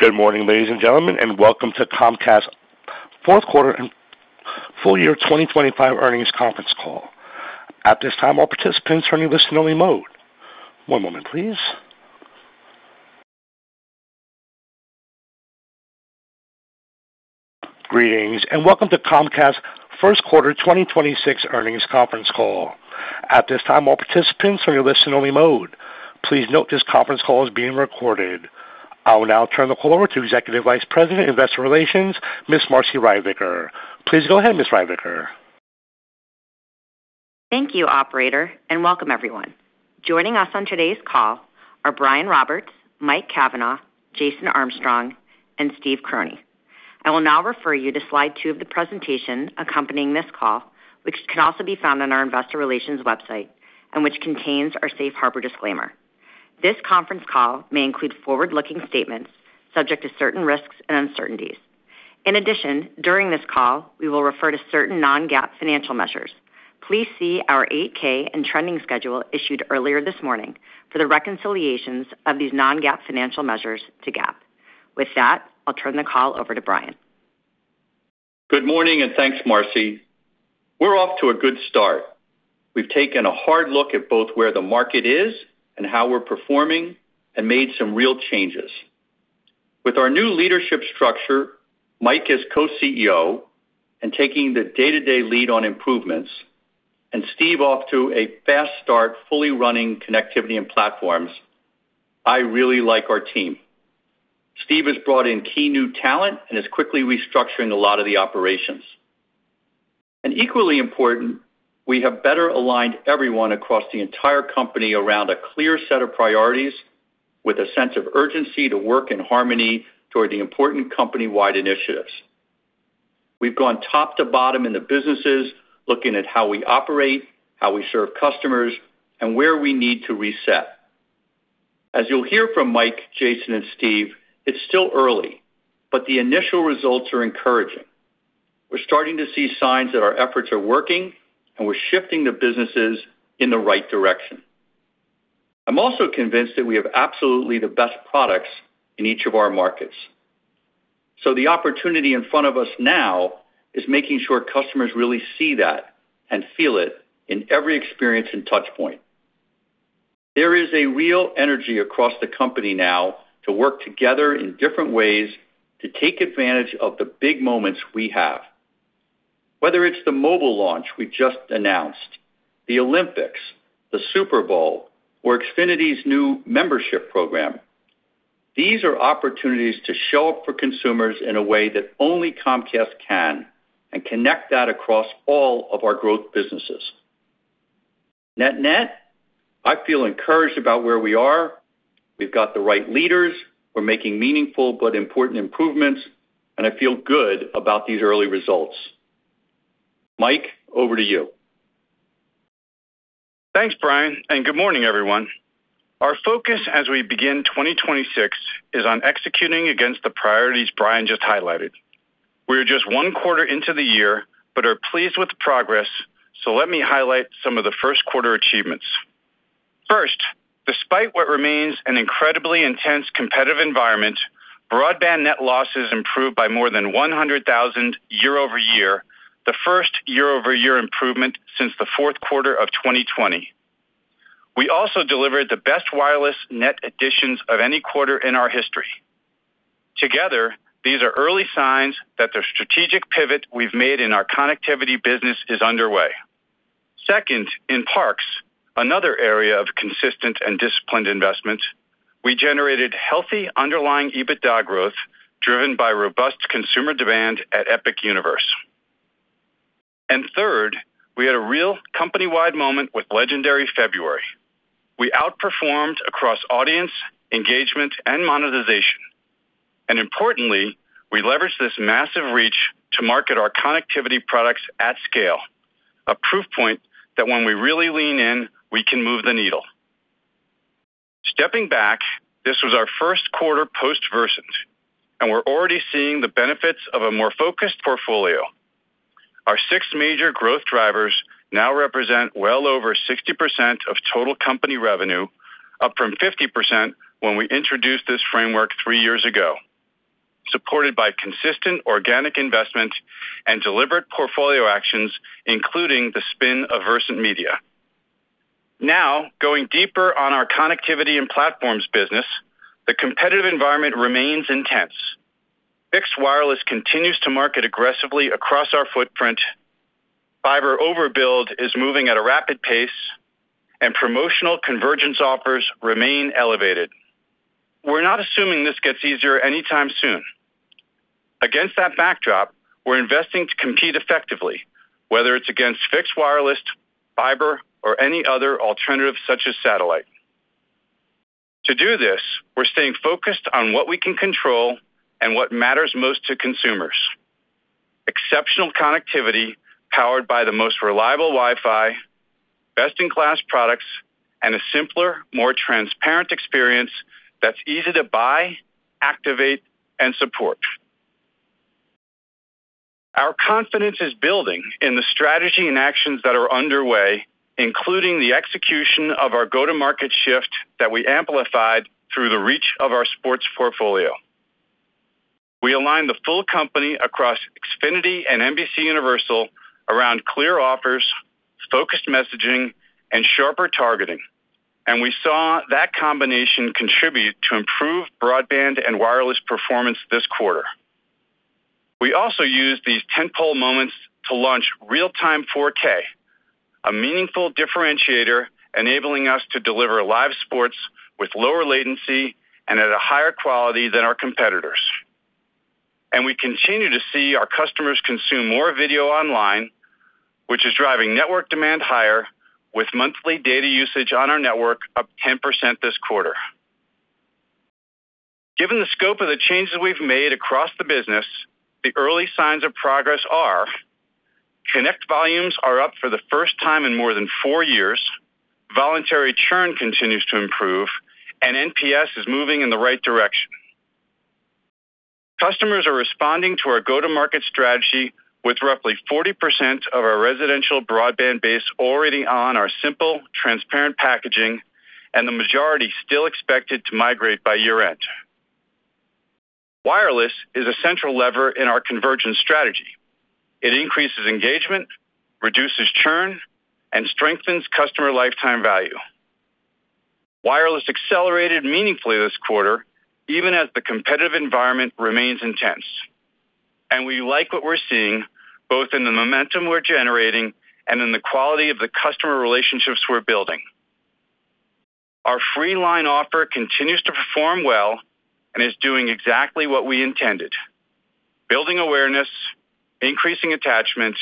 Good morning, ladies and gentlemen, and welcome to Comcast Fourth Quarter and Full Year 2025 Earnings Conference Call. At this time, all participants are in listen-only mode. One moment please. Greetings and welcome to Comcast First Quarter 2026 Earnings Conference Call. At this time, all participants are in listen-only mode. Please note this conference call is being recorded. I will now turn the call over to Executive Vice President, Investor Relations, Ms. Marci Ryvicker. Please go ahead, Ms. Ryvicker. Thank you, operator, and welcome everyone. Joining us on today's call are Brian Roberts, Mike Cavanagh, Jason Armstrong, and Steve Croney. I will now refer you to slide 2 of the presentation accompanying this call, which can also be found on our investor relations website and which contains our safe harbor disclaimer. This conference call may include forward-looking statements subject to certain risks and uncertainties. In addition, during this call, we will refer to certain non-GAAP financial measures. Please see our 8-K and trending schedule issued earlier this morning for the reconciliations of these non-GAAP financial measures to GAAP. With that, I'll turn the call over to Brian. Good morning and thanks, Marci. We're off to a good start. We've taken a hard look at both where the market is and how we're performing, and made some real changes. With our new leadership structure, Mike as Co-CEO and taking the day-to-day lead on improvements, and Steve off to a fast start, fully running Connectivity & Platforms, I really like our team. Steve has brought in key new talent and is quickly restructuring a lot of the operations. Equally important, we have better aligned everyone across the entire company around a clear set of priorities with a sense of urgency to work in harmony toward the important company-wide initiatives. We've gone top to bottom in the businesses looking at how we operate, how we serve customers, and where we need to reset. As you'll hear from Mike, Jason, and Steve, it's still early, but the initial results are encouraging. We're starting to see signs that our efforts are working, and we're shifting the businesses in the right direction. I'm also convinced that we have absolutely the best products in each of our markets. The opportunity in front of us now is making sure customers really see that and feel it in every experience and touch point. There is a real energy across the company now to work together in different ways to take advantage of the big moments we have. Whether it's the mobile launch we just announced, the Olympics, the Super Bowl, or Xfinity's new membership program, these are opportunities to show up for consumers in a way that only Comcast can, and connect that across all of our growth businesses. Net net, I feel encouraged about where we are. We've got the right leaders. We're making meaningful but important improvements, and I feel good about these early results. Mike, over to you. Thanks, Brian, and good morning, everyone. Our focus as we begin 2026 is on executing against the priorities Brian just highlighted. We are just one quarter into the year but are pleased with the progress, so let me highlight some of the first quarter achievements. First, despite what remains an incredibly intense competitive environment, broadband net losses improved by more than 100,000 year-over-year, the first year-over-year improvement since the fourth quarter of 2020. We also delivered the best wireless net additions of any quarter in our history. Together, these are early signs that the strategic pivot we've made in our connectivity business is underway. Second, in Parks, another area of consistent and disciplined investment, we generated healthy underlying EBITDA growth driven by robust consumer demand at Epic Universe. Third, we had a real company-wide moment with Legendary February. We outperformed across audience, engagement, and monetization. Importantly, we leveraged this massive reach to market our connectivity products at scale, a proof point that when we really lean in, we can move the needle. Stepping back, this was our first quarter post-Versant, and we're already seeing the benefits of a more focused portfolio. Our six major growth drivers now represent well over 60% of total company revenue, up from 50% when we introduced this framework three years ago, supported by consistent organic investment and deliberate portfolio actions, including the spin of Versant Media. Now, going deeper on our Connectivity & Platforms business, the competitive environment remains intense. Fixed wireless continues to market aggressively across our footprint, and fiber overbuild is moving at a rapid pace, and promotional convergence offers remain elevated. We're not assuming this gets easier anytime soon. Against that backdrop, we're investing to compete effectively, whether it's against fixed wireless, fiber, or any other alternative such as satellite. To do this, we're staying focused on what we can control and what matters most to consumers. Exceptional connectivity powered by the most reliable Wi-Fi, best-in-class products, and a simpler, more transparent experience that's easy to buy, activate, and support. Our confidence is building in the strategy and actions that are underway, including the execution of our go-to-market shift that we amplified through the reach of our sports portfolio. We aligned the full company across Xfinity and NBCUniversal around clear offers, focused messaging, and sharper targeting, and we saw that combination contribute to improved broadband and wireless performance this quarter. We also used these tentpole moments to launch real-time 4K, a meaningful differentiator enabling us to deliver live sports with lower latency and at a higher quality than our competitors. We continue to see our customers consume more video online, which is driving network demand higher with monthly data usage on our network up 10% this quarter. Given the scope of the changes we've made across the business, the early signs of progress are connect volumes up for the first time in more than four years. Voluntary churn continues to improve, and NPS is moving in the right direction. Customers are responding to our go-to-market strategy with roughly 40% of our residential broadband base already on our simple, transparent packaging, and the majority still expected to migrate by year-end. Wireless is a central lever in our convergence strategy. It increases engagement, reduces churn, and strengthens customer lifetime value. Wireless accelerated meaningfully this quarter, even as the competitive environment remains intense. We like what we're seeing, both in the momentum we're generating and in the quality of the customer relationships we're building. Our free line offer continues to perform well and is doing exactly what we intended, building awareness, increasing attachment,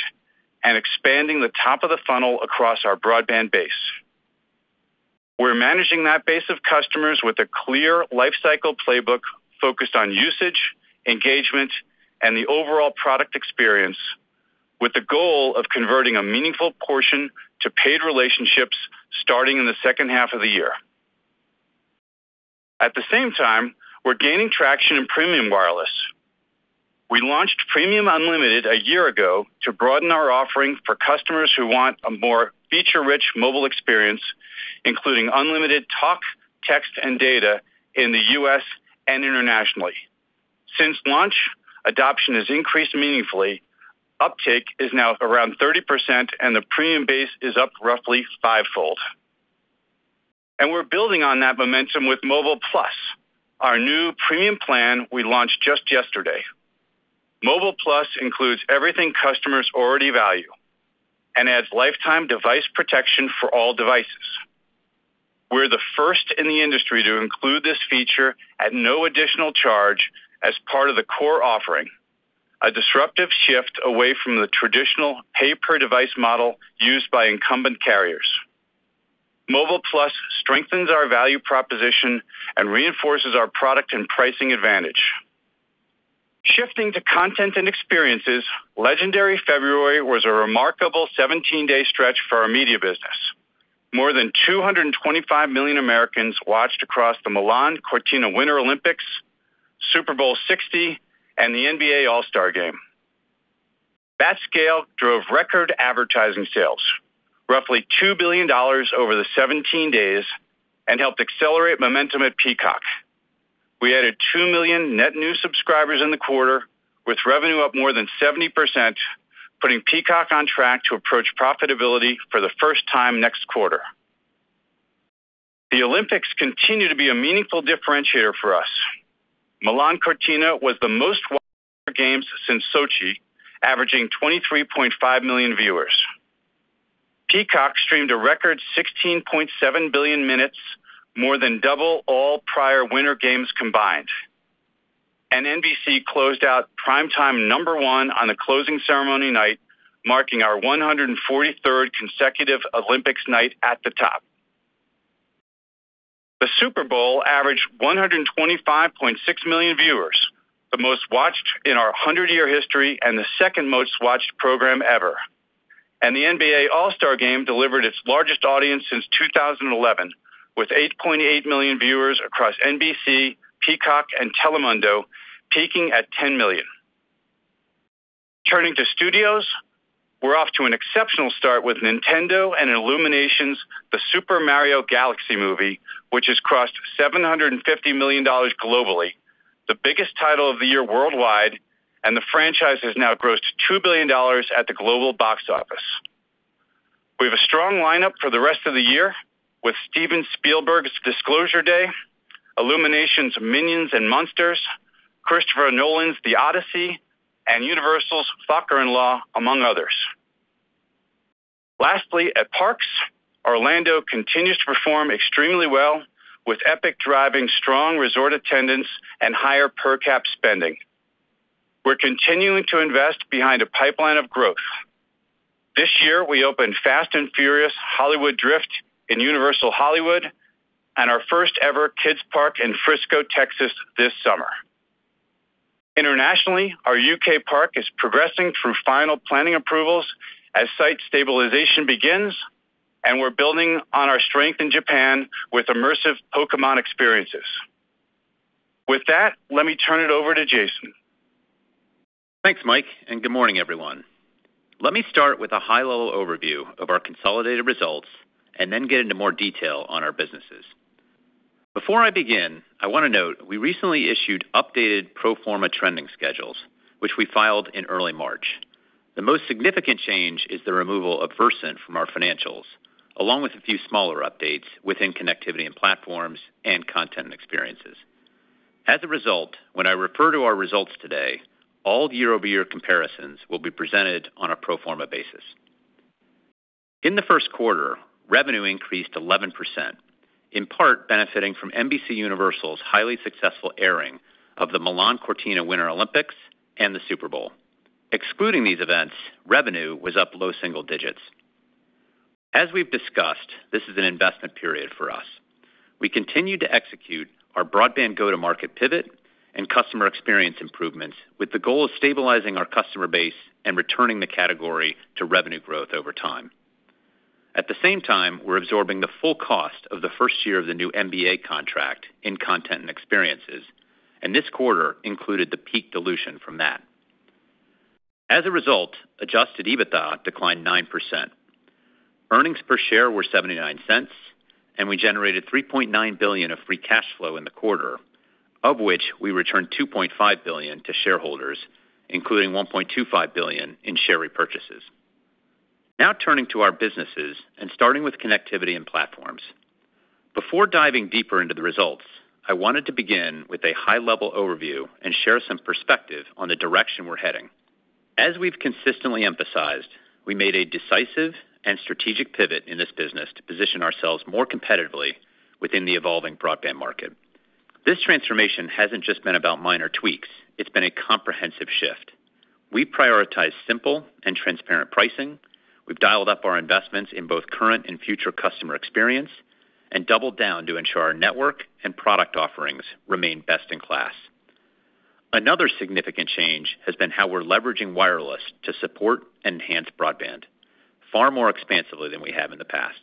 and expanding the top of the funnel across our broadband base. We're managing that base of customers with a clear lifecycle playbook focused on usage, engagement, and the overall product experience with the goal of converting a meaningful portion to paid relationships starting in the second half of the year. At the same time, we're gaining traction in premium wireless. We launched Premium Unlimited a year ago to broaden our offering for customers who want a more feature-rich mobile experience, including unlimited talk, text, and data in the U.S. and internationally. Since launch, adoption has increased meaningfully. Uptake is now around 30%, and the premium base is up roughly five-fold. We're building on that momentum with Mobile Plus, our new premium plan we launched just yesterday. Mobile Plus includes everything customers already value and adds lifetime device protection for all devices. We're the first in the industry to include this feature at no additional charge as part of the core offering, a disruptive shift away from the traditional pay-per-device model used by incumbent carriers. Mobile Plus strengthens our value proposition and reinforces our product and pricing advantage. Shifting to Content & Experiences, Legendary February was a remarkable 17-day stretch for our Media business. More than 225 million Americans watched across the Milan-Cortina Winter Olympics, Super Bowl LX, and the NBA All-Star Game. That scale drove record advertising sales, roughly $2 billion over the 17 days, and helped accelerate momentum at Peacock. We added 2 million net new subscribers in the quarter, with revenue up more than 70%, putting Peacock on track to approach profitability for the first time next quarter. The Olympics continue to be a meaningful differentiator for us. Milan-Cortina was the most watched Winter Games since Sochi, averaging 23.5 million viewers. Peacock streamed a record 16.7 billion minutes, more than double all prior Winter Games combined. NBC closed out prime time number one on the closing ceremony night, marking our 143rd consecutive Olympics night at the top. The Super Bowl averaged 125.6 million viewers, the most-watched in our 100-year history and the second most-watched program ever. The NBA All-Star Game delivered its largest audience since 2011, with 8.8 million viewers across NBC, Peacock, and Telemundo, peaking at 10 million. Turning to studios, we're off to an exceptional start with Nintendo and Illumination's "The Super Mario Galaxy Movie," which has crossed $750 million globally, the biggest title of the year worldwide, and the franchise has now grossed $2 billion at the global box office. We have a strong lineup for the rest of the year with Steven Spielberg's "Disclosure Day," Illumination's "Minions & Monsters," Christopher Nolan's "The Odyssey," and Universal's "Focker-In-Law," among others. Lastly, at Parks, Orlando continues to perform extremely well, with Epic driving strong resort attendance and higher per-cap spending. We're continuing to invest behind a pipeline of growth. This year, we open Fast & Furious: Hollywood Drift in Universal Studios Hollywood and our first-ever kids park in Frisco, Texas, this summer. Internationally, our U.K. park is progressing through final planning approvals as site stabilization begins, and we're building on our strength in Japan with immersive Pokémon experiences. With that, let me turn it over to Jason. Thanks, Mike, and good morning, everyone. Let me start with a high-level overview of our consolidated results and then get into more detail on our businesses. Before I begin, I want to note we recently issued updated pro forma trending schedules, which we filed in early March. The most significant change is the removal of Versant from our financials, along with a few smaller updates within Connectivity & Platforms and Content & Experiences. As a result, when I refer to our results today, all year-over-year comparisons will be presented on a pro forma basis. In the first quarter, revenue increased 11%, in part benefiting from NBCUniversal's highly successful airing of the Milano Cortina Winter Olympics and the Super Bowl. Excluding these events, revenue was up low single digits. As we've discussed, this is an investment period for us. We continue to execute our broadband go-to-market pivot and customer experience improvements with the goal of stabilizing our customer base and returning the category to revenue growth over time. At the same time, we're absorbing the full cost of the first year of the new NBA contract in Content & Experiences, and this quarter included the peak dilution from that. As a result, Adjusted EBITDA declined 9%. Earnings per share were $0.79, and we generated $3.9 billion of free cash flow in the quarter, of which we returned $2.5 billion to shareholders, including $1.25 billion in share repurchases. Now turning to our businesses and starting with Connectivity & Platforms. Before diving deeper into the results, I wanted to begin with a high-level overview and share some perspective on the direction we're heading. As we've consistently emphasized, we made a decisive and strategic pivot in this business to position ourselves more competitively within the evolving broadband market. This transformation hasn't just been about minor tweaks, it's been a comprehensive shift. We prioritize simple and transparent pricing. We've dialed up our investments in both current and future customer experience and doubled down to ensure our network and product offerings remain best in class. Another significant change has been how we're leveraging wireless to support enhanced broadband far more expansively than we have in the past.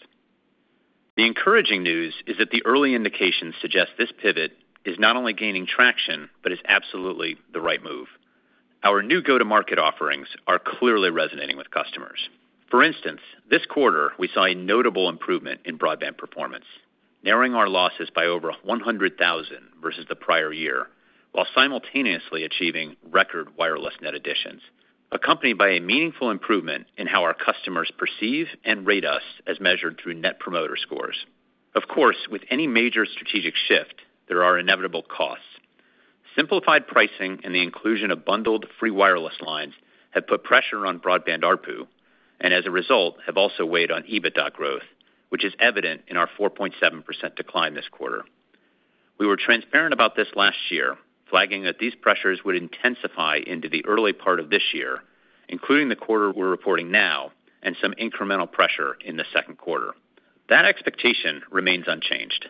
The encouraging news is that the early indications suggest this pivot is not only gaining traction, but is absolutely the right move. Our new go-to-market offerings are clearly resonating with customers. For instance, this quarter, we saw a notable improvement in broadband performance, narrowing our losses by over 100,000 versus the prior year, while simultaneously achieving record wireless net additions, accompanied by a meaningful improvement in how our customers perceive and rate us as measured through Net Promoter Score. Of course, with any major strategic shift, there are inevitable costs. Simplified pricing and the inclusion of bundled free wireless lines have put pressure on broadband ARPU, and as a result, have also weighed on EBITDA growth, which is evident in our 4.7% decline this quarter. We were transparent about this last year, flagging that these pressures would intensify into the early part of this year, including the quarter we're reporting now and some incremental pressure in the second quarter. That expectation remains unchanged.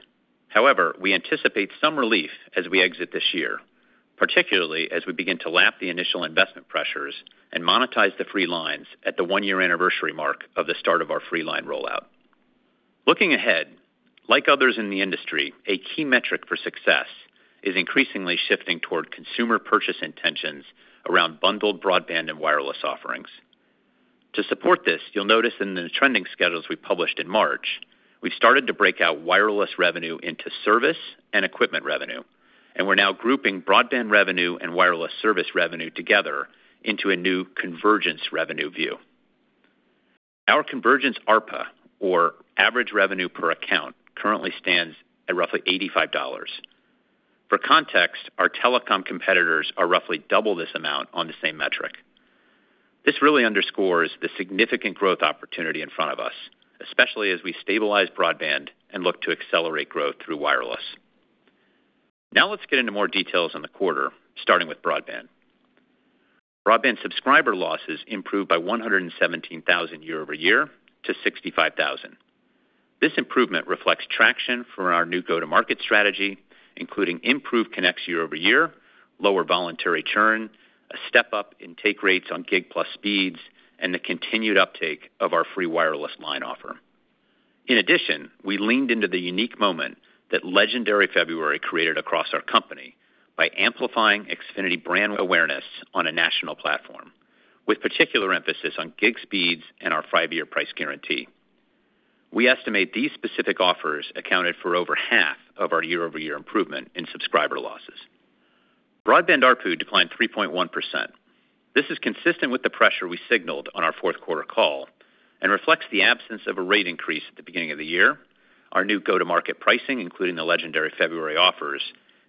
However, we anticipate some relief as we exit this year, particularly as we begin to lap the initial investment pressures and monetize the free lines at the one-year anniversary mark of the start of our free line rollout. Looking ahead, like others in the industry, a key metric for success is increasingly shifting toward consumer purchase intentions around bundled broadband and wireless offerings. To support this, you'll notice in the trending schedules we published in March, we started to break out wireless revenue into service and equipment revenue, and we're now grouping broadband revenue and wireless service revenue together into a new convergence revenue view. Our convergence ARPA, or average revenue per account, currently stands at roughly $85. For context, our telecom competitors are roughly double this amount on the same metric. This really underscores the significant growth opportunity in front of us, especially as we stabilize broadband and look to accelerate growth through wireless. Now let's get into more details on the quarter, starting with broadband. Broadband subscriber losses improved by 117,000 year-over-year to 65,000. This improvement reflects traction for our new go-to-market strategy, including improved connects year-over-year, lower voluntary churn, a step-up in take rates on gig plus speeds, and the continued uptake of our free wireless line offer. In addition, we leaned into the unique moment that Legendary February created across our company by amplifying Xfinity brand awareness on a national platform, with particular emphasis on gig speeds and our five-year price guarantee. We estimate these specific offers accounted for over half of our year-over-year improvement in subscriber losses. Broadband ARPU declined 3.1%. This is consistent with the pressure we signaled on our fourth quarter call and reflects the absence of a rate increase at the beginning of the year, our new go-to-market pricing, including the Legendary February offers,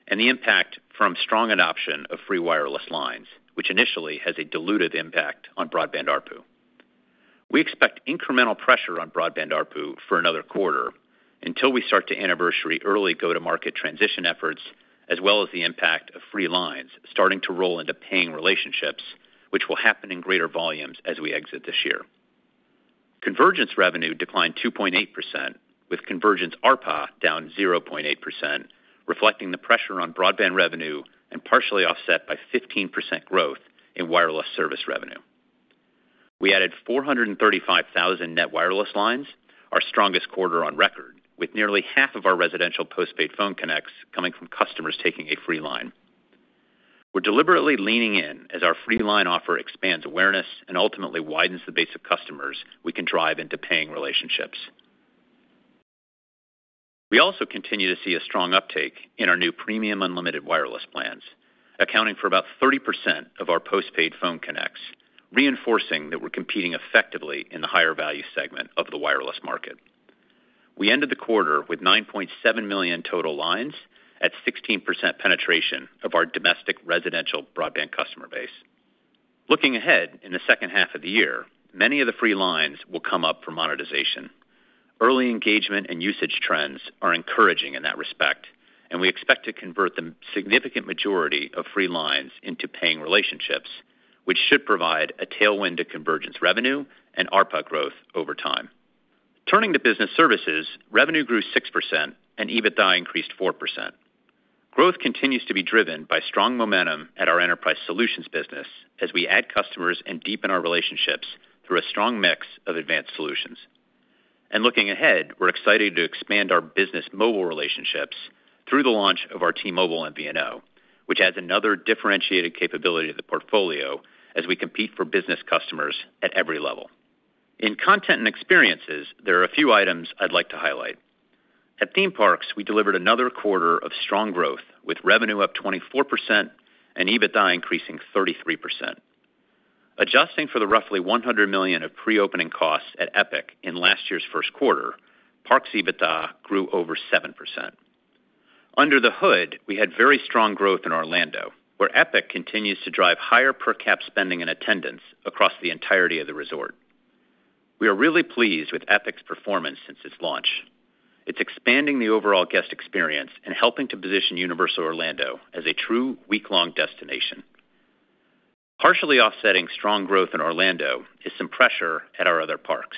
and the impact from strong adoption of free wireless lines, which initially has a diluted impact on broadband ARPU. We expect incremental pressure on broadband ARPU for another quarter until we start to anniversary early go-to-market transition efforts, as well as the impact of free lines starting to roll into paying relationships, which will happen in greater volumes as we exit this year. Convergence revenue declined 2.8%, with convergence ARPA down 0.8%, reflecting the pressure on broadband revenue and partially offset by 15% growth in wireless service revenue. We added 435,000 net wireless lines, our strongest quarter on record, with nearly half of our residential postpaid phone connects coming from customers taking a free line. We're deliberately leaning in as our free line offer expands awareness and ultimately widens the base of customers we can drive into paying relationships. We also continue to see a strong uptake in our new Premium Unlimited wireless plans, accounting for about 30% of our postpaid phone connects, reinforcing that we're competing effectively in the higher value segment of the wireless market. We ended the quarter with 9.7 million total lines at 16% penetration of our domestic residential broadband customer base. Looking ahead, in the second half of the year, many of the free lines will come up for monetization. Early engagement and usage trends are encouraging in that respect, and we expect to convert the significant majority of free lines into paying relationships, which should provide a tailwind to convergence revenue and ARPA growth over time. Turning to business services, revenue grew 6% and EBITDA increased 4%. Growth continues to be driven by strong momentum at our enterprise solutions business as we add customers and deepen our relationships through a strong mix of advanced solutions. Looking ahead, we're excited to expand our business mobile relationships through the launch of our T-Mobile MVNO, which adds another differentiated capability to the portfolio as we compete for business customers at every level. In Content & Experiences, there are a few items I'd like to highlight. At theme parks, we delivered another quarter of strong growth, with revenue up 24% and EBITDA increasing 33%. Adjusting for the roughly $100 million of pre-opening costs at Epic in last year's first quarter, Parks EBITDA grew over 7%. Under the hood, we had very strong growth in Orlando, where Epic continues to drive higher per cap spending and attendance across the entirety of the resort. We are really pleased with Epic's performance since its launch. It's expanding the overall guest experience and helping to position Universal Orlando as a true week-long destination. Partially offsetting strong growth in Orlando is some pressure at our other parks.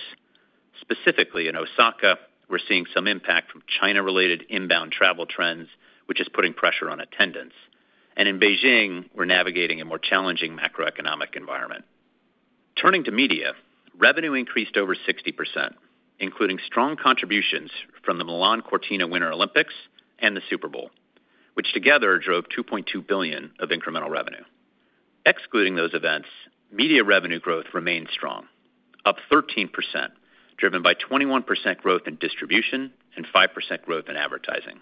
Specifically, in Osaka, we're seeing some impact from China-related inbound travel trends, which is putting pressure on attendance. In Beijing, we're navigating a more challenging macroeconomic environment. Turning to Media, revenue increased over 60%, including strong contributions from the Milan-Cortina Winter Olympics and the Super Bowl, which together drove $2.2 billion of incremental revenue. Excluding those events, Media revenue growth remained strong, up 13%, driven by 21% growth in distribution and 5% growth in advertising.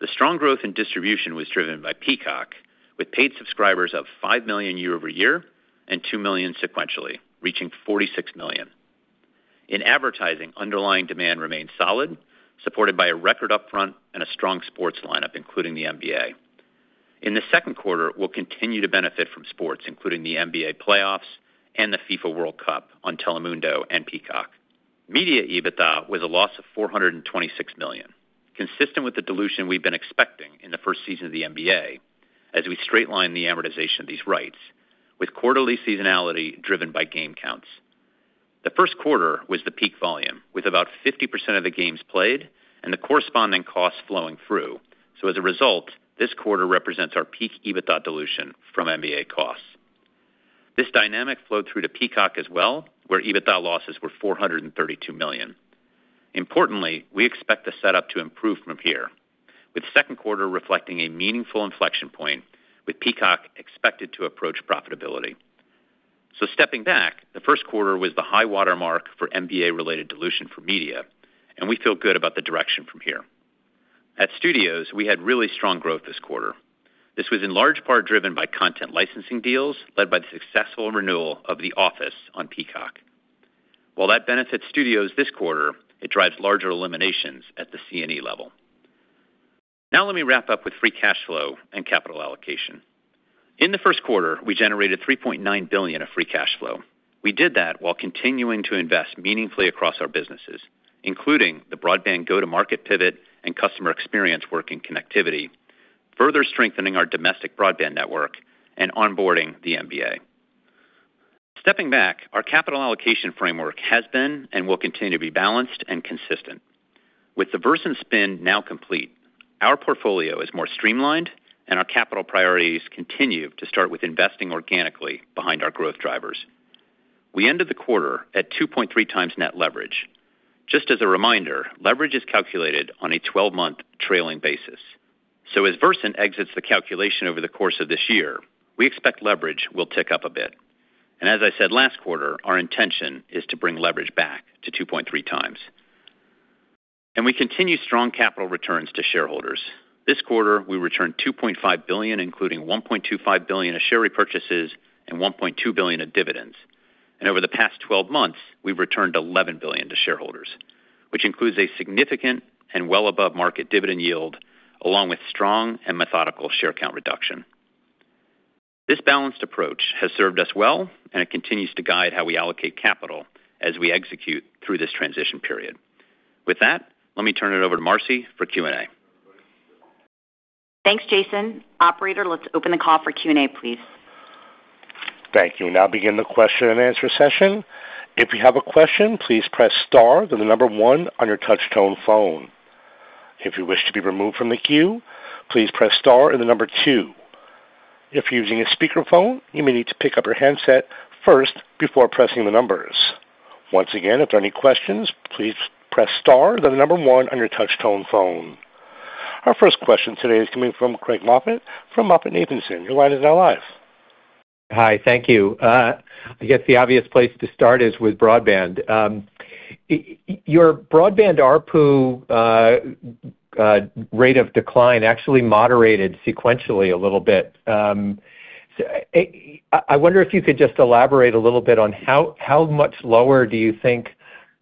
The strong growth in distribution was driven by Peacock, with paid subscribers up 5 million year-over-year and 2 million sequentially, reaching 46 million. In advertising, underlying demand remained solid, supported by a record upfront and a strong sports lineup, including the NBA. In the second quarter, we'll continue to benefit from sports, including the NBA playoffs and the FIFA World Cup on Telemundo and Peacock. Media EBITDA was a loss of $426 million, consistent with the dilution we've been expecting in the first season of the NBA as we straight line the amortization of these rights with quarterly seasonality driven by game counts. The first quarter was the peak volume, with about 50% of the games played and the corresponding costs flowing through. As a result, this quarter represents our peak EBITDA dilution from NBA costs. This dynamic flowed through to Peacock as well, where EBITDA losses were $432 million. Importantly, we expect the setup to improve from here, with second quarter reflecting a meaningful inflection point, with Peacock expected to approach profitability. Stepping back, the first quarter was the high watermark for NBA-related dilution for Media, and we feel good about the direction from here. At Studios, we had really strong growth this quarter. This was in large part driven by content licensing deals led by the successful renewal of "The Office" on Peacock. While that benefits Studios this quarter, it drives larger eliminations at the C&E level. Now let me wrap up with free cash flow and capital allocation. In the first quarter, we generated $3.9 billion of free cash flow. We did that while continuing to invest meaningfully across our businesses, including the broadband go-to-market pivot and customer experience work in connectivity, further strengthening our domestic broadband network and onboarding the NBA. Stepping back, our capital allocation framework has been and will continue to be balanced and consistent. With the Versant spin now complete, our portfolio is more streamlined and our capital priorities continue to start with investing organically behind our growth drivers. We ended the quarter at 2.3 times net leverage. Just as a reminder, leverage is calculated on a 12-month trailing basis. As Versant exits the calculation over the course of this year, we expect leverage will tick up a bit. As I said last quarter, our intention is to bring leverage back to 2.3 times. We continue strong capital returns to shareholders. This quarter, we returned $2.5 billion, including $1.25 billion of share repurchases and $1.2 billion of dividends. Over the past 12 months, we've returned $11 billion to shareholders, which includes a significant and well above market dividend yield, along with strong and methodical share count reduction. This balanced approach has served us well, and it continues to guide how we allocate capital as we execute through this transition period. With that, let me turn it over to Marci for Q&A. Thanks, Jason. Operator, let's open the call for Q&A, please. Thank you. We now begin the question and answer session. If you have a question, please press star, then the number one on your touch tone phone. If you wish to be removed from the queue, please press star then the number two. If you're using a speaker phone, you may need to pick up your handset first before pressing the numbers. Once again, for any questions, press star then number one on your touch tone phone. Our first question today is coming from Craig Moffett from MoffettNathanson. Your line is now live. Hi, thank you. I guess the obvious place to start is with broadband. Your broadband ARPU rate of decline actually moderated sequentially a little bit. I wonder if you could just elaborate a little bit on how much lower do you think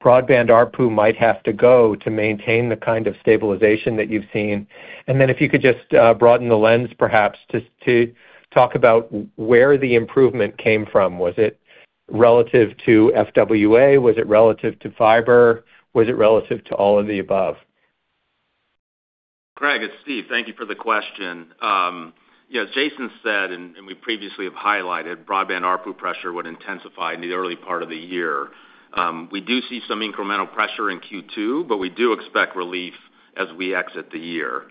broadband ARPU might have to go to maintain the kind of stabilization that you've seen? If you could just broaden the lens perhaps to talk about where the improvement came from. Was it relative to FWA? Was it relative to fiber? Was it relative to all of the above? Craig, it's Steve. Thank you for the question. As Jason said, and we previously have highlighted, broadband ARPU pressure would intensify in the early part of the year. We do see some incremental pressure in Q2, but we do expect relief as we exit the year.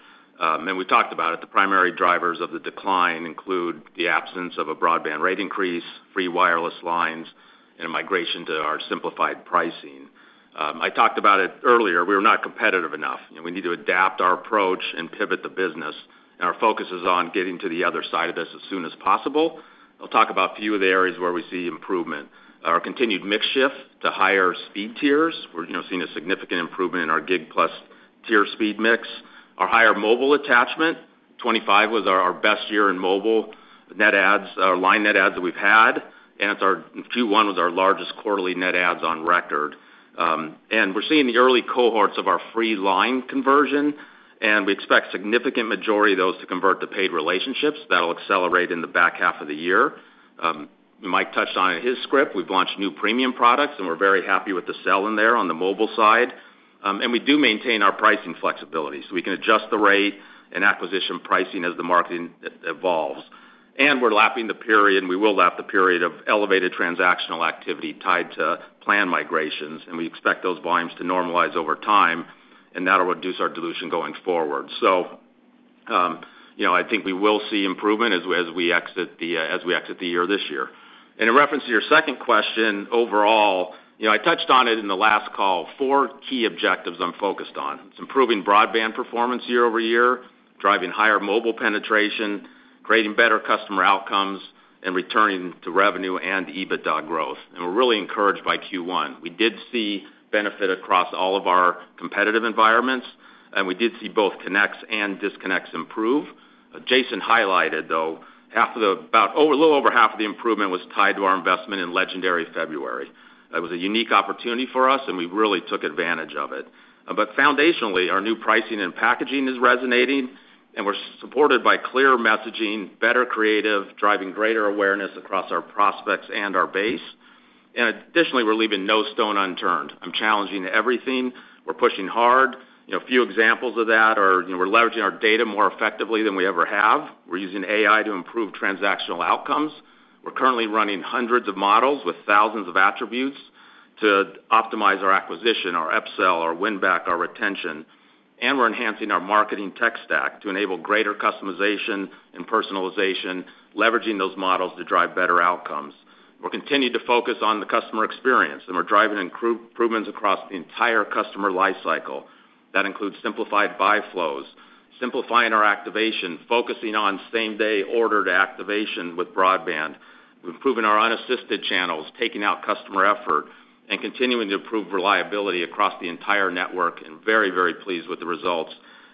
We talked about it, the primary drivers of the decline include the absence of a broadband rate increase, free wireless lines, and a migration to our simplified pricing. I talked about it earlier, we were not competitive enough, and we need to adapt our approach and pivot the business. Our focus is on getting to the other side of this as soon as possible. I'll talk about a few of the areas where we see improvement. Our continued mix shift to higher speed tiers. We're seeing a significant improvement in our Gig Plus tier speed mix. Our higher mobile attachment, 2025 was our best year in mobile net adds, line net adds that we've had, and Q1 was our largest quarterly net adds on record. We're seeing the early cohorts of our free line conversion, and we expect significant majority of those to convert to paid relationships. That'll accelerate in the back half of the year. Mike touched on it in his script. We've launched new premium products, and we're very happy with the sell in there on the mobile side. We do maintain our pricing flexibility, so we can adjust the rate and acquisition pricing as the marketing evolves. We're lapping the period, and we will lap the period of elevated transactional activity tied to plan migrations, and we expect those volumes to normalize over time, and that'll reduce our dilution going forward. I think we will see improvement as we exit the year this year. In reference to your second question, overall, I touched on it in the last call, four key objectives I'm focused on. It's improving broadband performance year-over-year, driving higher mobile penetration, creating better customer outcomes, and returning to revenue and EBITDA growth. We're really encouraged by Q1. We did see benefit across all of our competitive environments, and we did see both connects and disconnects improve. Jason highlighted, though, a little over half of the improvement was tied to our investment in Legendary February. That was a unique opportunity for us, and we really took advantage of it. Foundationally, our new pricing and packaging is resonating, and we're supported by clear messaging, better creative, driving greater awareness across our prospects and our base. Additionally, we're leaving no stone unturned. I'm challenging everything. We're pushing hard. A few examples of that are we're leveraging our data more effectively than we ever have. We're using AI to improve transactional outcomes. We're currently running hundreds of models with thousands of attributes to optimize our acquisition, our upsell, our win-back, our retention, and we're enhancing our marketing tech stack to enable greater customization and personalization, leveraging those models to drive better outcomes. We're continuing to focus on the customer experience, and we're driving improvements across the entire customer life cycle. That includes simplified buy flows, simplifying our activation, focusing on same-day order to activation with broadband. We're improving our unassisted channels, taking out customer effort and continuing to improve reliability across the entire network, and very, very pleased with the results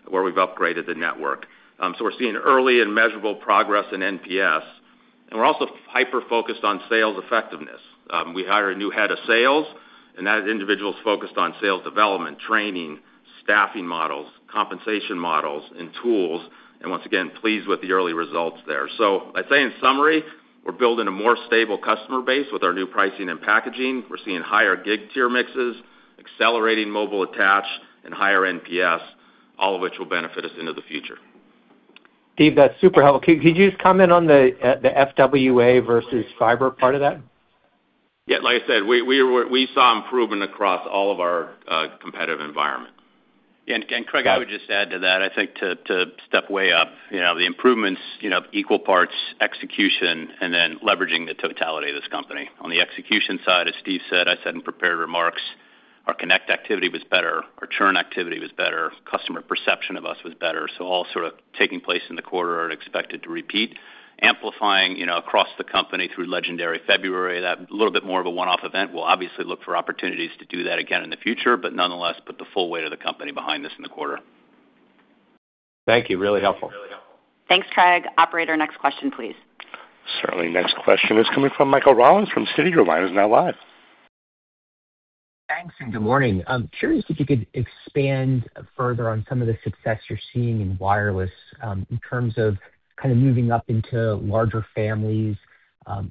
where we've upgraded the network. We're seeing early and measurable progress in NPS, and we're also hyper-focused on sales effectiveness. We hired a new head of sales, and that individual is focused on sales development, training, staffing models, compensation models, and tools, and once again, pleased with the early results there. I'd say in summary, we're building a more stable customer base with our new pricing and packaging. We're seeing higher gig tier mixes, accelerating mobile attach, and higher NPS, all of which will benefit us into the future. Steve, that's super helpful. Could you just comment on the FWA versus fiber part of that? Yeah, like I said, we saw improvement across all of our competitive environment. Craig, I would just add to that, I think to step way up, the improvements equal parts execution and then leveraging the totality of this company. On the execution side, as Steve said, I said in prepared remarks, our connect activity was better, our churn activity was better, customer perception of us was better. All sort of taking place in the quarter are expected to repeat. Amplifying across the company through Legendary February, that a little bit more of a one-off event. We'll obviously look for opportunities to do that again in the future, but nonetheless, put the full weight of the company behind this in the quarter. Thank you. Really helpful. Thanks, Craig. Operator, next question, please. Certainly. Next question is coming from Michael Rollins from Citigroup. Line is now live. Thanks and good morning. I'm curious if you could expand further on some of the success you're seeing in wireless, in terms of kind of moving up into larger families.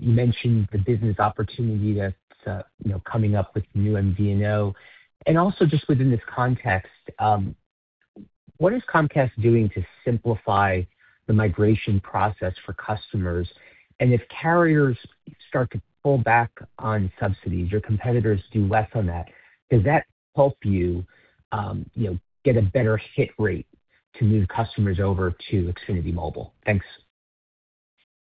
You mentioned the business opportunity that's coming up with new MVNO. Also just within this context, what is Comcast doing to simplify the migration process for customers? If carriers start to pull back on subsidies, your competitors do less on that, does that help you get a better hit rate to move customers over to Xfinity Mobile? Thanks.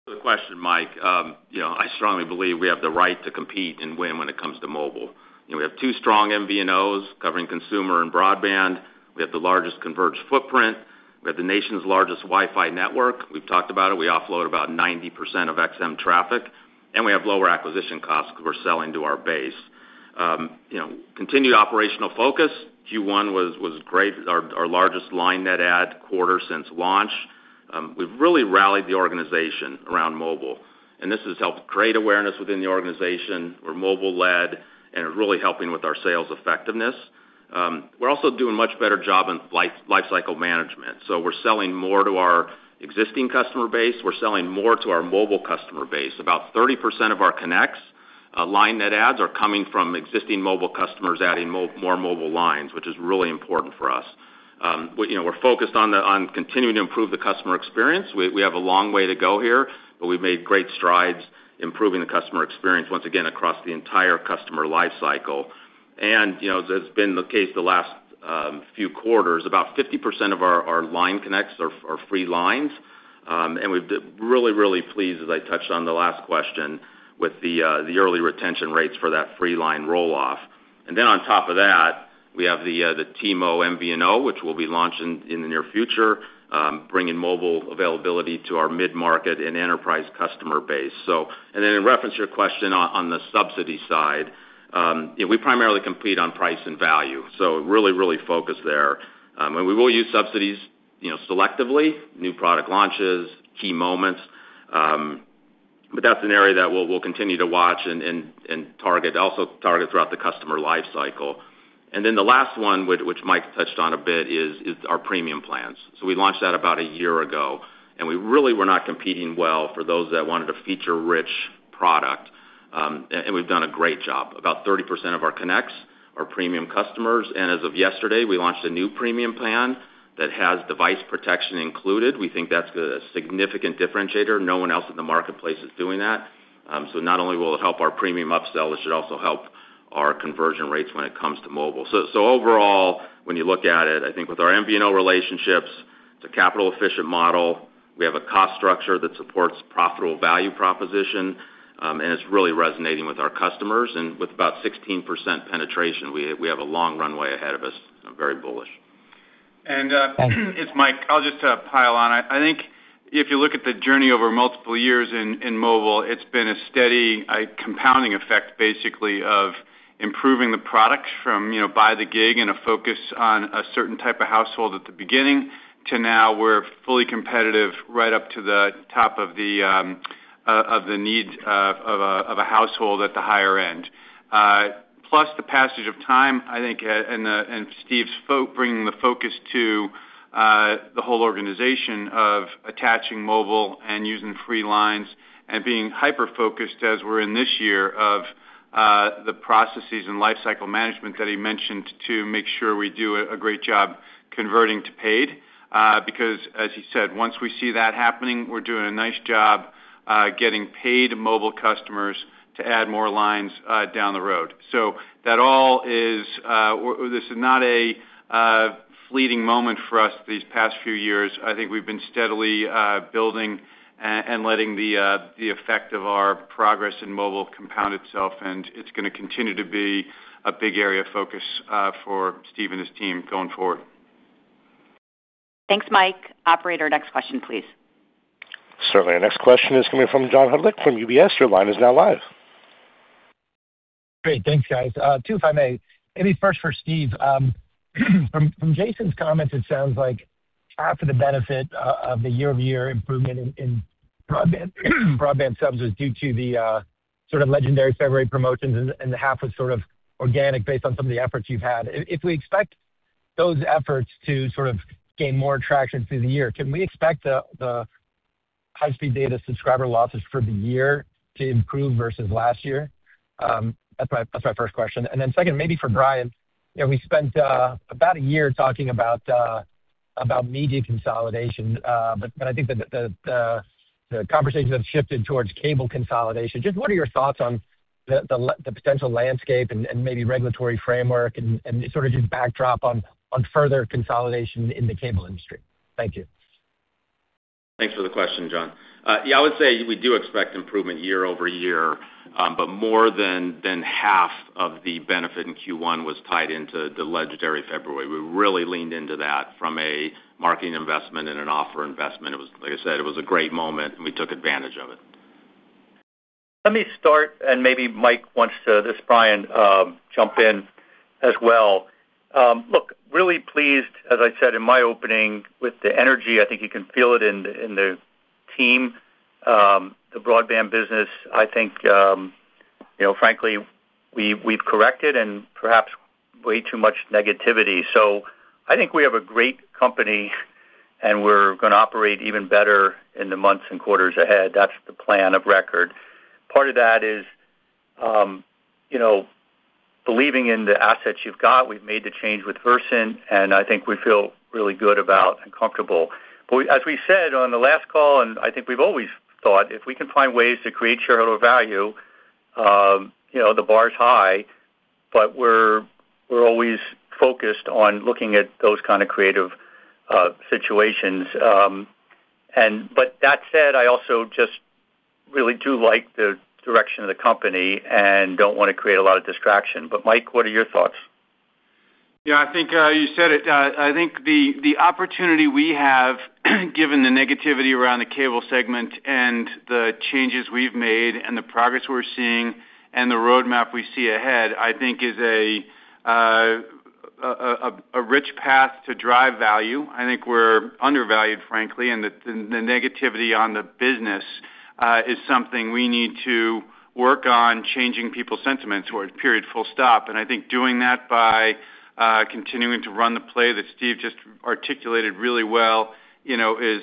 Good question, Mike. I strongly believe we have the right to compete and win when it comes to mobile. We have two strong MVNOs covering consumer and broadband. We have the largest converged footprint. We have the nation's largest Wi-Fi network. We've talked about it. We offload about 90% of XM traffic, and we have lower acquisition costs because we're selling to our base. Continued operational focus. Q1 was great, our largest line net add quarter since launch. We've really rallied the organization around mobile, and this has helped create awareness within the organization. We're mobile-led and are really helping with our sales effectiveness. We're also doing a much better job in life cycle management. We're selling more to our existing customer base. We're selling more to our mobile customer base. About 30% of our connects line net adds are coming from existing mobile customers adding more mobile lines, which is really important for us. We're focused on continuing to improve the customer experience. We have a long way to go here, but we've made great strides improving the customer experience, once again, across the entire customer life cycle. As has been the case the last few quarters, about 50% of our line connects are free lines. We're really, really pleased, as I touched on the last question, with the early retention rates for that free line roll-off. On top of that, we have the T-Mobile MVNO, which we'll be launching in the near future, bringing mobile availability to our mid-market and enterprise customer base. In reference to your question on the subsidy side, we primarily compete on price and value. Really, really focused there. We will use subsidies selectively, new product launches, key moments. That's an area that we'll continue to watch and also target throughout the customer life cycle. Then the last one, which Mike touched on a bit, is our premium plans. We launched that about a year ago, and we really were not competing well for those that wanted a feature-rich product. We've done a great job. About 30% of our connects are premium customers. As of yesterday, we launched a new premium plan that has device protection included. We think that's a significant differentiator. No one else in the marketplace is doing that. Not only will it help our premium upsell, it should also help our conversion rates when it comes to mobile. Overall, when you look at it, I think with our MVNO relationships, it's a capital-efficient model. We have a cost structure that supports profitable value proposition, and it's really resonating with our customers. With about 16% penetration, we have a long runway ahead of us. I'm very bullish. It's Mike. I'll just pile on. I think if you look at the journey over multiple years in mobile, it's been a steady compounding effect, basically, of improving the products from By the Gig and a focus on a certain type of household at the beginning, to now we're fully competitive right up to the top of the needs of a household at the higher end. Plus, the passage of time, I think, and Steve's bringing the focus to the whole organization of attaching mobile and using free lines and being hyper-focused as we're in this year of the processes and life cycle management that he mentioned to make sure we do a great job converting to paid. Because, as you said, once we see that happening, we're doing a nice job getting paid mobile customers to add more lines down the road. This is not a fleeting moment for us these past few years. I think we've been steadily building and letting the effect of our progress in mobile compound itself, and it's going to continue to be a big area of focus for Steve and his team going forward. Thanks, Mike. Operator, next question, please. Certainly. Next question is coming from John Hodulik from UBS. Your line is now live. Great. Thanks, guys. Two, if I may. Maybe first for Steve. From Jason's comments, it sounds like half of the benefit of the year-over-year improvement in broadband subs was due to the sort of Legendary February promotions and half was sort of organic based on some of the efforts you've had. If we expect those efforts to sort of gain more traction through the year, can we expect the high-speed data subscriber losses for the year to improve versus last year? That's my first question. Then second, maybe for Brian. We spent about a year talking about media consolidation, but I think the conversations have shifted towards cable consolidation. Just what are your thoughts on the potential landscape and maybe regulatory framework, and sort of just backdrop on further consolidation in the cable industry? Thank you. Thanks for the question, John. Yeah, I would say we do expect improvement year-over-year, but more than half of the benefit in Q1 was tied into the Legendary February. We really leaned into that from a marketing investment and an offer investment. Like I said, it was a great moment, and we took advantage of it. Let me start, and maybe Mike wants to, this is Brian, jump in as well. Look, really pleased, as I said in my opening, with the energy. I think you can feel it in the team. The broadband business, I think, frankly, we've corrected and perhaps way too much negativity. I think we have a great company, and we're going to operate even better in the months and quarters ahead. That's the plan of record. Part of that is believing in the assets you've got. We've made the change with Versant, and I think we feel really good about and comfortable. As we said on the last call, and I think we've always thought, if we can find ways to create shareholder value, the bar is high, but we're always focused on looking at those kind of creative situations. That said, I also just really do like the direction of the company and don't want to create a lot of distraction. Mike, what are your thoughts? Yeah, I think you said it. I think the opportunity we have, given the negativity around the cable segment and the changes we've made and the progress we're seeing and the roadmap we see ahead, I think is a rich path to drive value. I think we're undervalued, frankly, and the negativity on the business is something we need to work on changing people's sentiments towards, period, full stop. I think doing that by continuing to run the play that Steve just articulated really well is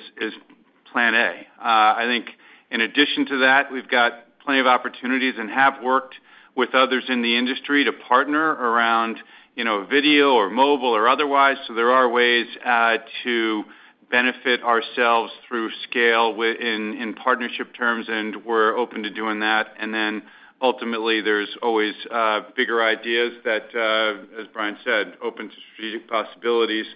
plan A. I think in addition to that, we've got plenty of opportunities and have worked with others in the industry to partner around video or mobile or otherwise, so there are ways to benefit ourselves through scale in partnership terms, and we're open to doing that. Ultimately, there's always bigger ideas that, as Brian said, open strategic possibilities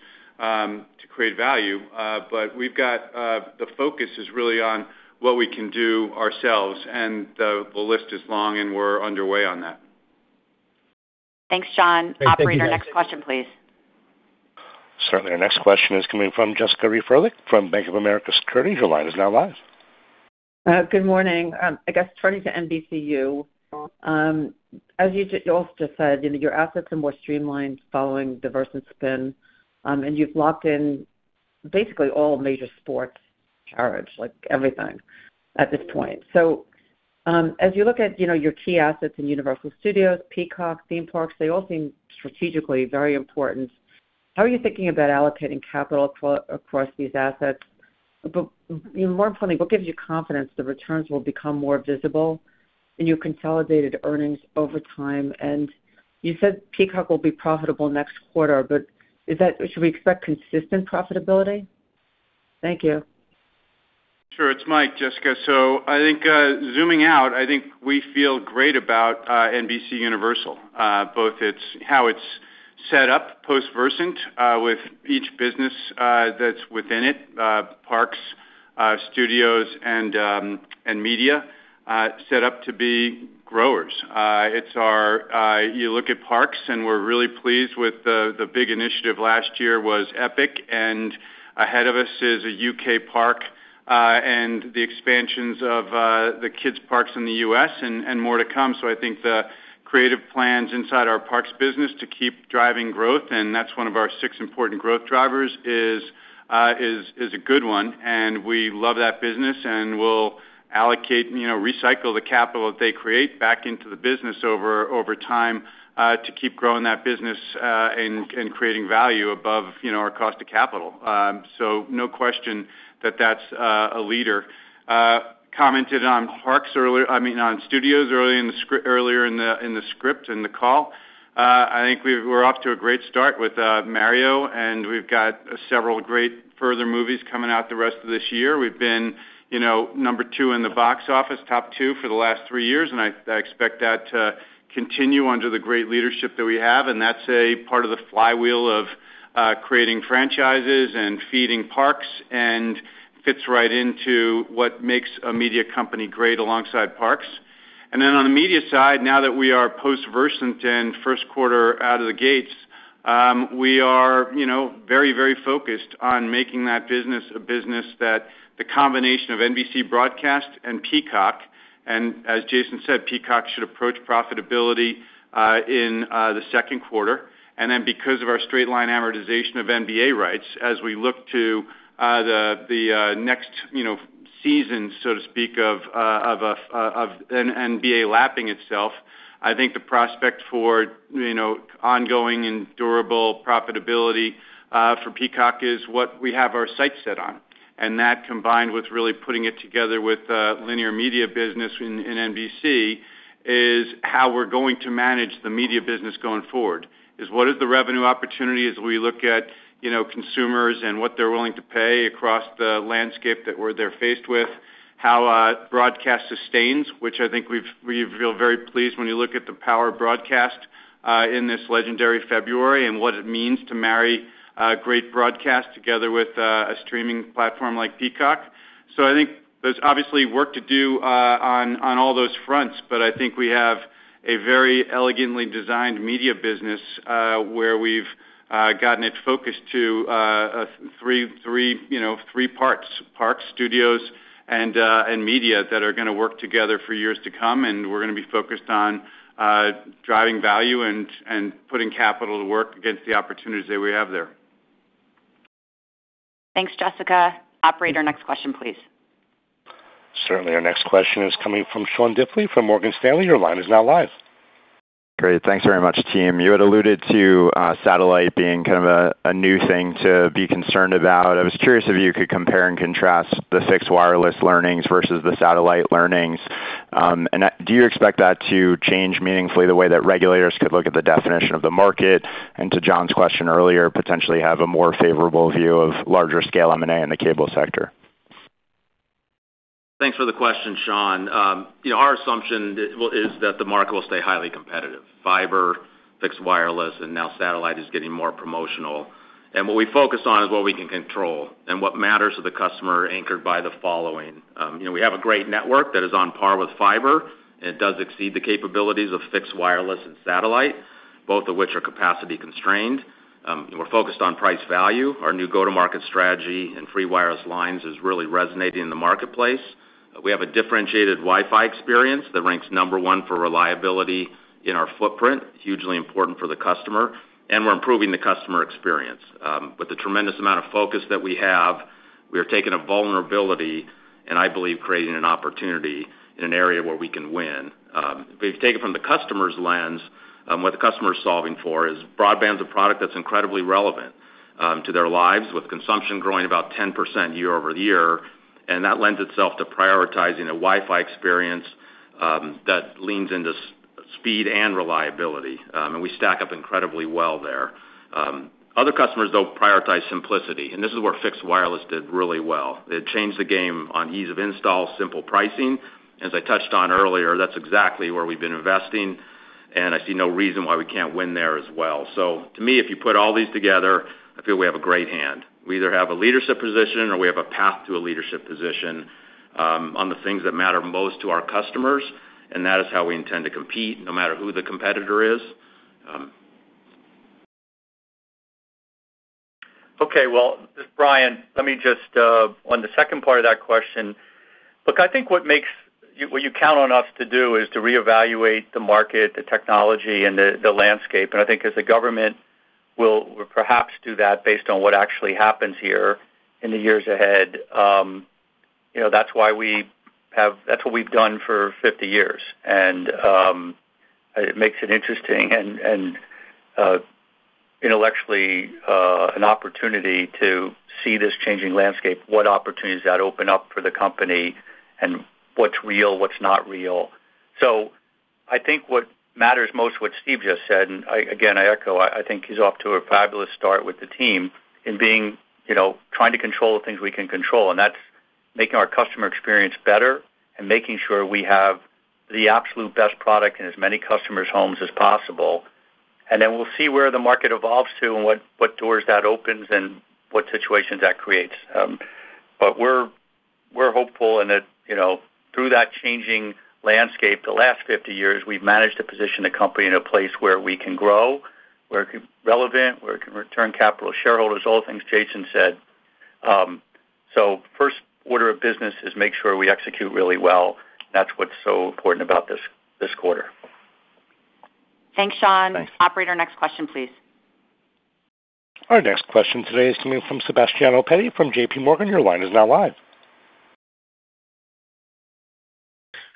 to create value. The focus is really on what we can do ourselves, and the list is long, and we're underway on that. Thanks, John. Thank you. Operator, next question, please. Certainly. Our next question is coming from Jessica Reif Ehrlich from Bank of America Securities. Your line is now live. Good morning. I guess turning to NBCU, as you all just said, your assets are more streamlined following the Versant spin, and you've locked in basically all major sports rights, like everything, at this point. As you look at your key assets in Universal Studios, Peacock, theme parks, they all seem strategically very important. How are you thinking about allocating capital across these assets? More importantly, what gives you confidence the returns will become more visible in your consolidated earnings over time? You said Peacock will be profitable next quarter, but should we expect consistent profitability? Thank you. Sure. It's Mike, Jessica. I think zooming out, I think we feel great about NBCUniversal, both how it's set up post-Versant with each business that's within it, Parks, Studios, and Media, set up to be growers. You look at Parks, and we're really pleased with the big initiative last year was Epic, and ahead of us is a U.K. park and the expansions of the kids parks in the U.S. and more to come. I think the creative plans inside our parks business to keep driving growth, and that's one of our six important growth drivers, is a good one, and we love that business, and we'll allocate and recycle the capital that they create back into the business over time to keep growing that business and creating value above our cost of capital. No question that that's a leader. Commented on Parks earlier, I mean, on Studios earlier in the script and the call. I think we're off to a great start with Mario, and we've got several great further movies coming out the rest of this year. We've been number two in the box office, top two for the last three years, and I expect that to continue under the great leadership that we have. That's a part of the flywheel of creating franchises and feeding parks and fits right into what makes a media company great alongside parks. On the Media side, now that we are post-Versant and first quarter out of the gates, we are very focused on making that business a business that the combination of NBC broadcast and Peacock, and as Jason said, Peacock should approach profitability in the second quarter. Because of our straight line amortization of NBA rights, as we look to the next season, so to speak, of NBA lapping itself, I think the prospect for ongoing and durable profitability for Peacock is what we have our sights set on. That combined with really putting it together with linear media business in NBC is how we're going to manage the media business going forward, is what is the revenue opportunity as we look at consumers and what they're willing to pay across the landscape that they're faced with, how broadcast sustains, which I think we feel very pleased when you look at the power of broadcast in this Legendary February and what it means to marry a great broadcast together with a streaming platform like Peacock. I think there's obviously work to do on all those fronts, but I think we have a very elegantly designed media business where we've gotten it focused to three parts, Parks, Studios, and Media that are going to work together for years to come, and we're going to be focused on driving value and putting capital to work against the opportunities that we have there. Thanks, Jessica. Operator, next question, please. Certainly. Our next question is coming from Sean Diffley from Morgan Stanley. Your line is now live. Great. Thanks very much, team. You had alluded to satellite being a new thing to be concerned about. I was curious if you could compare and contrast the fixed wireless learnings versus the satellite learnings. Do you expect that to change meaningfully the way that regulators could look at the definition of the market? To John's question earlier, potentially have a more favorable view of larger scale M&A in the cable sector? Thanks for the question, Sean. Our assumption is that the market will stay highly competitive. Fiber, fixed wireless, and now satellite is getting more promotional. What we focus on is what we can control and what matters to the customer anchored by the following. We have a great network that is on par with fiber, and it does exceed the capabilities of fixed wireless and satellite, both of which are capacity constrained. We're focused on price value. Our new go-to-market strategy and free wireless lines is really resonating in the marketplace. We have a differentiated Wi-Fi experience that ranks number one for reliability in our footprint, hugely important for the customer, and we're improving the customer experience. With the tremendous amount of focus that we have, we are taking a vulnerability and I believe creating an opportunity in an area where we can win. If you take it from the customer's lens, what the customer is solving for is broadband's a product that's incredibly relevant to their lives, with consumption growing about 10% year-over-year, and that lends itself to prioritizing a Wi-Fi experience that leans into speed and reliability. We stack up incredibly well there. Other customers, though, prioritize simplicity, and this is where fixed wireless did really well. It changed the game on ease of install, simple pricing. As I touched on earlier, that's exactly where we've been investing, and I see no reason why we can't win there as well. To me, if you put all these together, I feel we have a great hand. We either have a leadership position or we have a path to a leadership position on the things that matter most to our customers, and that is how we intend to compete, no matter who the competitor is. Okay, well, it's Brian, let me just, on the second part of that question, look, I think what you count on us to do is to reevaluate the market, the technology, and the landscape. I think as the government will perhaps do that based on what actually happens here in the years ahead, that's what we've done for 50 years. It makes it interesting and intellectually an opportunity to see this changing landscape, what opportunities that open up for the company and what's real, what's not real. I think what matters most, what Steve just said, and again, I echo, I think he's off to a fabulous start with the team in trying to control the things we can control, and that's making our customer experience better and making sure we have the absolute best product in as many customers' homes as possible. We'll see where the market evolves to and what doors that opens and what situations that creates. We're hopeful and that through that changing landscape, the last 50 years, we've managed to position the company in a place where we can grow, we're relevant, we can return capital to shareholders, all the things Jason said. First order of business is make sure we execute really well. That's what's so important about this quarter. Thanks, Sean. Thanks. Operator, next question, please. Our next question today is coming from Sebastiano Petti from JPMorgan. Your line is now live.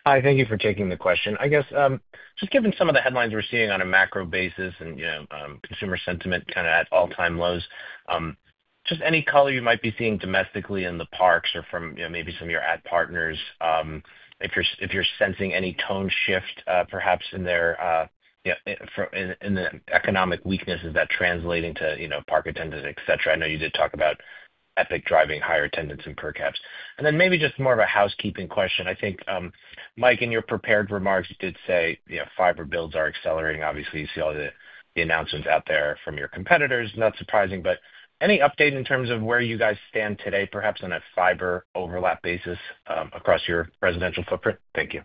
Hi, thank you for taking the question. I guess, just given some of the headlines we're seeing on a macro basis and consumer sentiment at all-time lows, just any color you might be seeing domestically in the parks or from maybe some of your ad partners, if you're sensing any tone shift perhaps in the economic weaknesses that translating to park attendance, et cetera. I know you did talk about Epic driving higher attendance and per caps. Maybe just more of a housekeeping question. I think, Mike, in your prepared remarks, you did say fiber builds are accelerating. Obviously, you see all the announcements out there from your competitors, not surprising. Any update in terms of where you guys stand today, perhaps on a fiber overlap basis across your residential footprint? Thank you.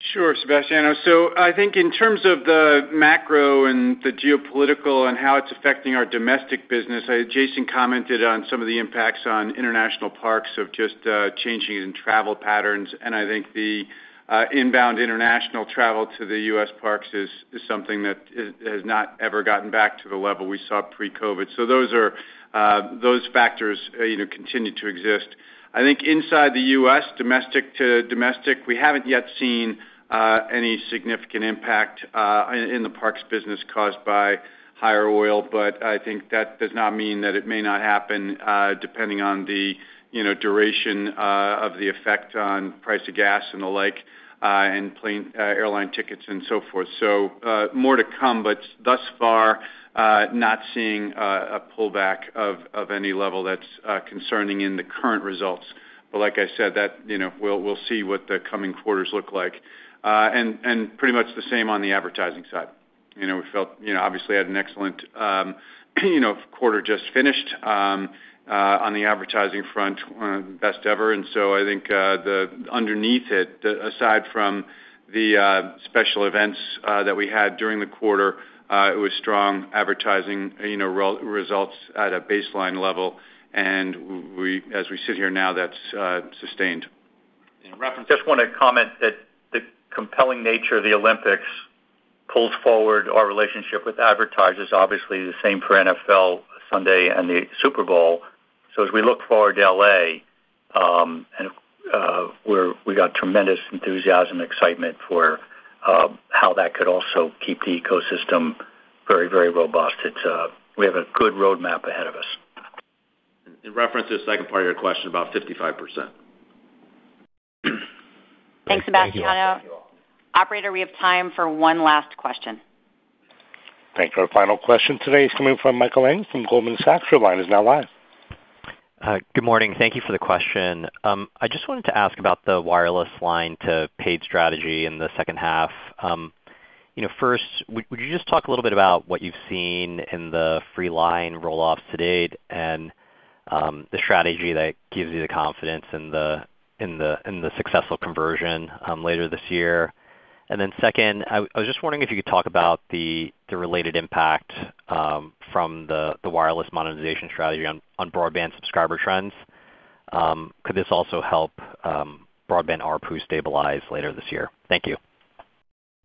Sure, Sebastiano. I think in terms of the macro and the geopolitical and how it's affecting our domestic business, Jason commented on some of the impacts on international parks of just changing in travel patterns. I think the inbound international travel to the U.S. parks is something that has not ever gotten back to the level we saw pre-COVID. Those factors continue to exist. I think inside the U.S., domestic to domestic, we haven't yet seen any significant impact in the parks business caused by higher oil. I think that does not mean that it may not happen, depending on the duration of the effect on price of gas and the like, and airline tickets and so forth. More to come, but thus far, not seeing a pullback of any level that's concerning in the current results. Like I said, we'll see what the coming quarters look like. Pretty much the same on the advertising side. We obviously had an excellent quarter just finished on the advertising front, best ever, and so I think underneath it, aside from the special events that we had during the quarter, it was strong advertising results at a baseline level, and as we sit here now, that's sustained. Just want to comment that the compelling nature of the Olympics pulls forward our relationship with advertisers, obviously the same for NFL Sunday and the Super Bowl. As we look forward to L.A., we got tremendous enthusiasm, excitement for how that could also keep the ecosystem very, very robust. We have a good roadmap ahead of us. In reference to the second part of your question, about 55%. Thanks, Sebastiano. Thank you. Operator, we have time for one last question. Thank you. Our final question today is coming from Michael Ng from Goldman Sachs. Your line is now live. Good morning. Thank you for the question. I just wanted to ask about the wireless line to paid strategy in the second half. First, would you just talk a little bit about what you've seen in the free line roll-offs to date and the strategy that gives you the confidence in the successful conversion later this year? Second, I was just wondering if you could talk about the related impact from the wireless monetization strategy on broadband subscriber trends. Could this also help broadband ARPU stabilize later this year? Thank you.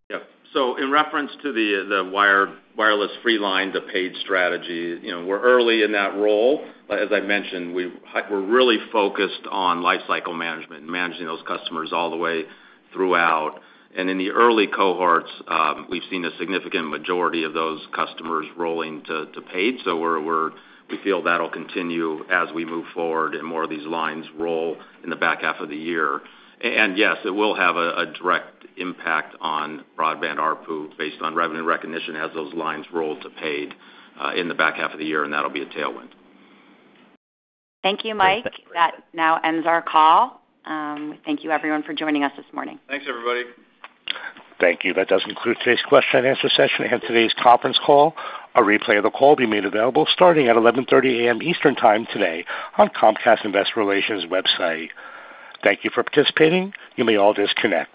Yeah. In reference to the wireless free line to paid strategy, we're early in that rollout. As I've mentioned, we're really focused on life cycle management, managing those customers all the way throughout. In the early cohorts, we've seen a significant majority of those customers rolling to paid. We feel that'll continue as we move forward and more of these lines roll in the back half of the year. Yes, it will have a direct impact on broadband ARPU based on revenue recognition as those lines roll to paid in the back half of the year, and that'll be a tailwind. Thank you, Mike. Thanks. That now ends our call. Thank you everyone for joining us this morning. Thanks, everybody. Thank you. That does conclude today's question and answer session and today's conference call. A replay of the call will be made available starting at 11:30 A.M. Eastern Time today on Comcast's investor relations website. Thank you for participating. You may all disconnect.